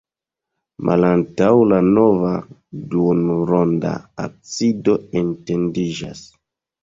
Malantaŭ la navo duonronda absido etendiĝas.